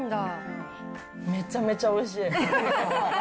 めちゃめちゃおいしい。